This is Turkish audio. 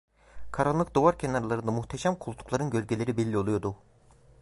Karanlık duvar kenarlarında muhteşem koltukların gölgeleri belli oluyordu.